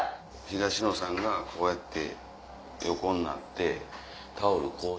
東野さんがこうやって横になってタオルこう。